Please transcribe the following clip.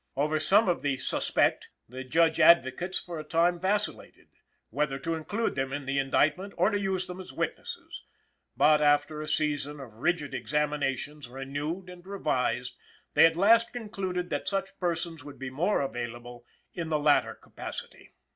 Over some of the "suspect" the Judge Advocates for a time vacillated, whether to include them in the indictment or to use them as witnesses; but, after a season of rigid examinations, renewed and revised, they at last concluded that such persons would be more available in the latter capacity.